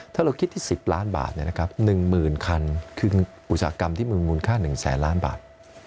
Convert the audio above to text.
ถ้าเราคิดที่๑๐ล้านบาทเนี่ยนะครับ๑๐๐๐๐คันคืออุตสาหกรรมที่มีมูลค่า๑๐๐๐๐๐บาท